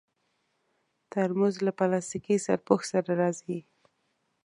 ترموز له پلاستيکي سرپوښ سره راځي.